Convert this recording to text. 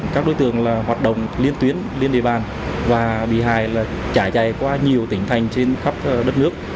các đối tượng hoạt động liên tuyến liên đề bàn và bị hài trải trải qua nhiều tỉnh thành trên khắp đất nước